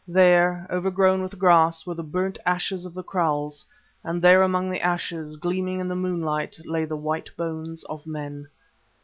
There, overgrown with grass, were the burnt ashes of the kraals, and there among the ashes, gleaming in the moonlight, lay the white bones of men.